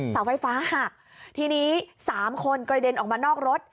เสาไฟฟ้าหักทีนี้สามคนกระเด็นออกมานอกรถ